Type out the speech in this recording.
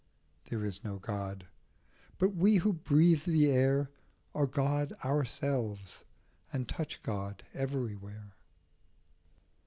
There is no God ; but we, who breathe the air, Are God ourselves, and touch God every where.